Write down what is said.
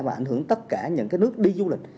và ảnh hưởng tất cả những cái nước đi du lịch